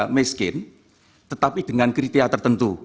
miskin tetapi dengan kriteria tertentu